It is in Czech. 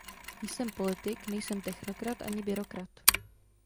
Jsem politik; nejsem technokrat ani byrokrat.